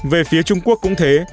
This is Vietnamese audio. về phía trung quốc cũng thế